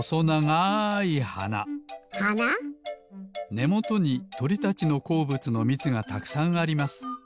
ねもとにとりたちのこうぶつのみつがたくさんあります。